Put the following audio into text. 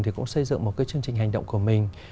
thì cũng xây dựng một cái chương trình hành động của mình